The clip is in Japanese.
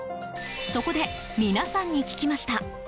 そこで、皆さんに聞きました。